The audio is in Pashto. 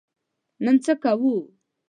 نن څه کوو؟